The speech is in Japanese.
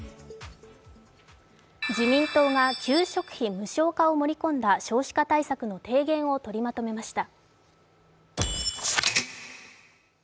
自民党が給食費無償化を盛り込んだ少子化対策の提言をとりまとめました。